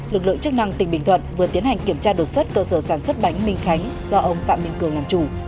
lực lượng chức năng tỉnh bình thuận vừa tiến hành kiểm tra đột xuất cơ sở sản xuất bánh minh khánh do ông phạm minh cường làm chủ